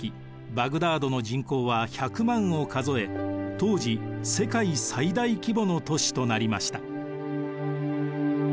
バグダードの人口は１００万を数え当時世界最大規模の都市となりました。